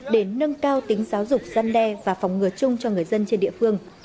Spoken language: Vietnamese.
để nâng cao tính giáo dục gian đe và phòng ngừa chung cho người dân trên địa phương